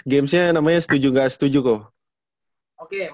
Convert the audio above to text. gamesnya namanya setuju nggak setuju kok